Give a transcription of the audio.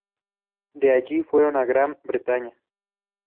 De allí fueron a Gran Bretaña.